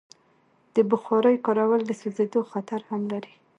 د بخارۍ کارول د سوځېدو خطر هم لري.